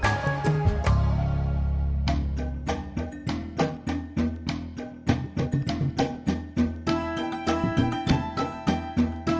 tasik tasik tasik